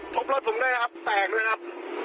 พบรถผมด้วยนะครับแตกด้วยนะครับ